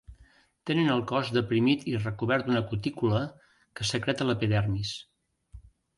Tenen el cos deprimit i recobert d'una cutícula que secreta l'epidermis.